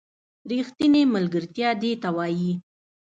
ریښتینې ملگرتیا دې ته وايي